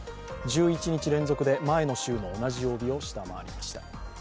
１１日連続で前の週の同じ曜日を下回りました。